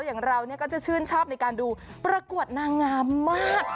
อย่างเราก็จะชื่นชอบในการดูประกวดนางงามมาก